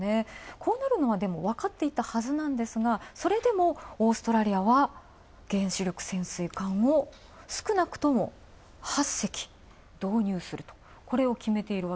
こうなるのはわかっていたはずですが、それでもオーストラリアは原子力潜水艦を少なくとも８隻導入すると、これを決めていると。